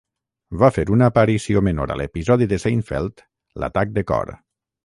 Va fer una aparició menor a l'episodi de Seinfeld: "L'atac de cor".